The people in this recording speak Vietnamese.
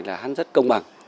là hắn rất công bằng